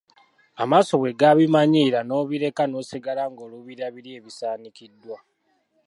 Amaaso bwe gabimanyiira nobireka nosigala ng'oluubirira biri ebisanikidwa.